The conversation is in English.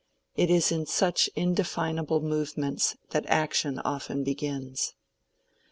It is in such indefinable movements that action often begins.